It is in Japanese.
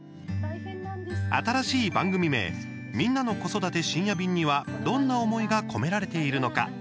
新しい番組名「みんなの子育て☆深夜便」にはどんな思いが込められているのか。